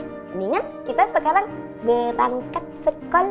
mendingan kita sekarang berangkat sekolah